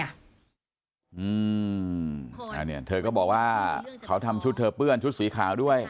อันนี้เธอก็บอกว่าเขาทำชุดเธอเปื้อนชุดสีขาวด้วย